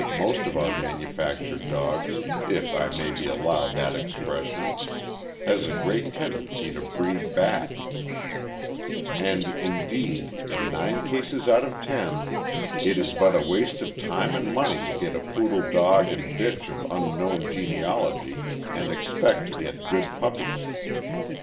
623 most of our manufactured dogs, if I may be allowed that expression, has a great tendency to breed back; and indeed, in nine cases out of ten, it is but a waste of time and money to get a Poodle dog and bitch of unknown gene alogy and expect to get good puppies.